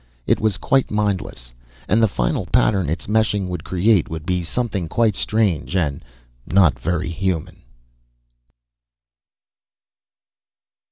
It was quite mindless, and the final pattern its meshing would create would be something quite strange, and not very human.